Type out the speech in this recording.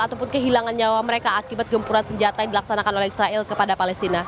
ataupun kehilangan nyawa mereka akibat gempuran senjata yang dilaksanakan oleh israel kepada palestina